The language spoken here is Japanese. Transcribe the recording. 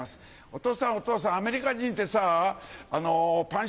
お父さんお父さんアメリカ人ってさパン